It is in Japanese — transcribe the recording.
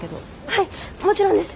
はいもちろんです！